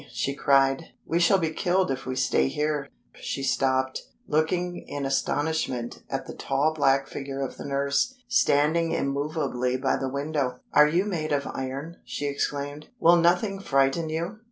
she cried. "We shall be killed if we stay here." She stopped, looking in astonishment at the tall black figure of the nurse, standing immovably by the window. "Are you made of iron?" she exclaimed. "Will nothing frighten you?"